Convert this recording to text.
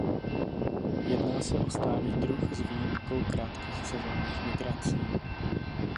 Jedná se o stálý druh s výjimkou krátkých sezónních migrací.